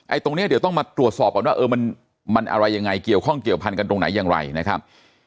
ตรงนี้เดี๋ยวต้องมาตรวจสอบก่อนว่าเออมันอะไรยังไงเกี่ยวข้องเกี่ยวพันกันตรงไหนอย่างไรนะครับ